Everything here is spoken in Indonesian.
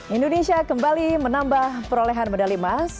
indonesia kembali menambah perolehan medali emas